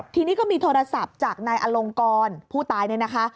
ทีนี้ก็มีโทรศัพท์จากนายอลงกรผู้ตายเนี่ยนะคะ